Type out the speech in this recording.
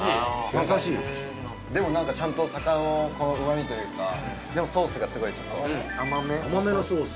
優しいでも何かちゃんと魚のうまみというかでもソースがすごいちょっと・甘めのソース？